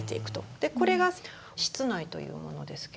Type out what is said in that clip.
でこれが「室内」というものですけれど。